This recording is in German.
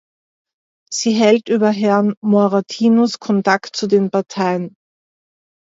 Sie hält über Herrn Moratinos Kontakt zu den Parteien.